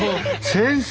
先生